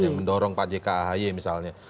yang mendorong pak jk ahy misalnya